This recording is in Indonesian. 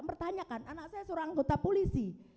mempertanyakan anak saya seorang anggota polisi